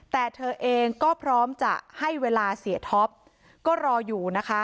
แต่เธอเองก็พร้อมจะให้เวลาเสียท็อปก็รออยู่นะคะ